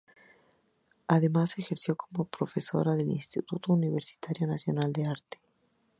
Además ejerció como profesora en el Instituto Universitario Nacional de Arte.